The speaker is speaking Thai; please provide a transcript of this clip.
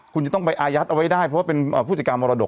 คุณจะต้องไปอายัดเอาไว้ได้เพราะว่าเป็นผู้จัดการมรดก